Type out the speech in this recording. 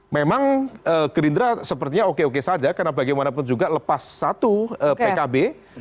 memang gerindra sepertinya oke oke saja karena bagaimanapun juga lepas satu pkb